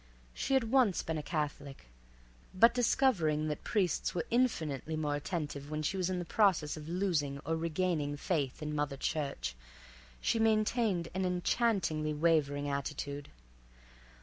She had once been a Catholic, but discovering that priests were infinitely more attentive when she was in process of losing or regaining faith in Mother Church, she maintained an enchantingly wavering attitude.